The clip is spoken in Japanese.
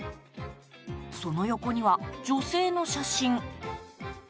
その横には、女性の写真。